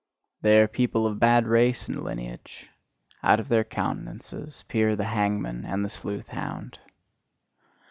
They are people of bad race and lineage; out of their countenances peer the hangman and the sleuth hound.